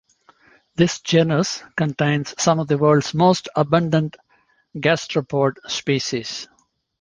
This genus contains some of the world's most abundant gastropod species.